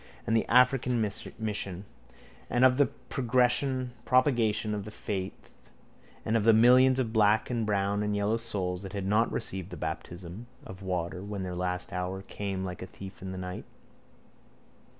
and the African mission and of the propagation of the faith and of the millions of black and brown and yellow souls that had not received the baptism of water when their last hour came like a thief in the night.